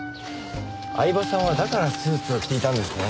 饗庭さんはだからスーツを着ていたんですね。